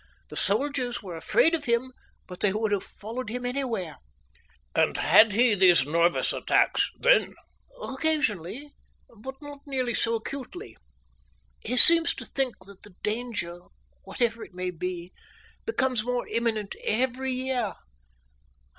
The soldiers were afraid of him, but they would have followed him anywhere." "And had he these nervous attacks then?" "Occasionally, but not nearly so acutely. He seems to think that the danger whatever it may be becomes more imminent every year.